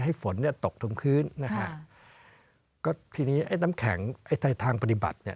ฝนเนี่ยตกทุมพื้นนะฮะก็ทีนี้ไอ้น้ำแข็งไอ้ทางปฏิบัติเนี่ย